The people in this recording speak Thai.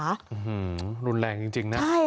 หือหือรุนแรงจริงนะ